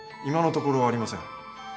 今のところありません。